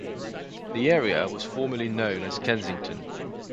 The area was formerly known as Kensington.